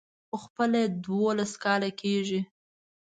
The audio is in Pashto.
خو خپله يې دولس کاله کېږي.